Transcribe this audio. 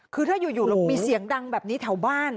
คือถ้าอยู่มีเสียงดังแบบนี้แถวบ้าน